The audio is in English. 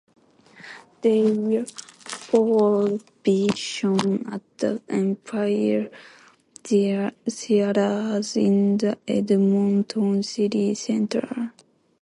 They will all be shown at the Empire Theatres in the Edmonton City Centre.